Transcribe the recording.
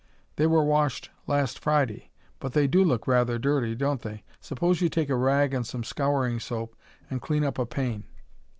"They were washed last Friday, but they do look rather dirty, don't they? Suppose you take a rag and some scouring soap and clean up a pane."